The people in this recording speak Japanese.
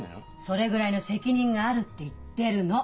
「それぐらいの責任がある」って言ってるの。